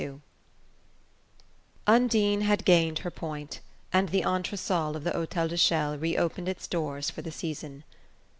XLII Undine had gained her point, and the entresol of the Hotel de Chelles reopened its doors for the season.